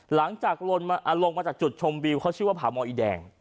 หลังจากลงมาจากจุดชมวิวเขาชื่อว่าผาหมออีแดง